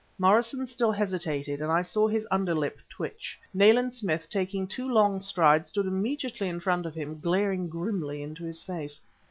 Morrison still hesitated, and I saw his underlip twitch. Nayland Smith, taking two long strides, stood immediately in front of him, glaring grimly into his face.